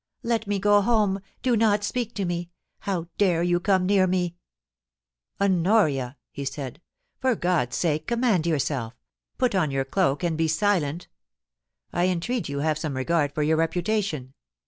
' Let me go home ! Do not speak to me 1 How dare you come near me !' 'Honoria!' he said, 'for God's sake command yourself! Put on your cloak and be silent I entreat you have some regard for your reputation.